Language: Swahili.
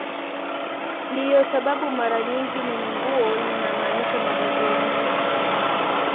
Ndiyo sababu mara nyingi neno "nguo" linamaanisha mavazi yenyewe.